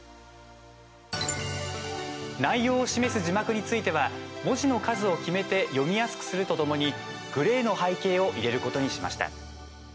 内容を示す字幕については文字の数を決めて読みやすくするとともにグレーの背景を入れることにしました。